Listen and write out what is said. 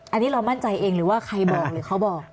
อันนี้เรามั่นใจเองหรือว่าใครบอกหรือเขาบอก